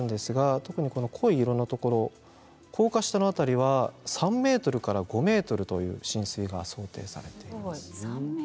特に濃い色のところ高架下の辺りは３ｍから５ｍという浸水が想定されています。